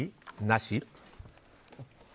なし？